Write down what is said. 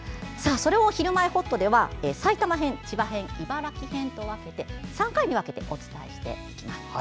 それを「ひるまえほっと」では埼玉編・千葉編・茨城編と３回に分けてお伝えします。